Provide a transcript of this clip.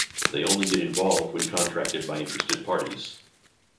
They only get involved when contracted by interested parties.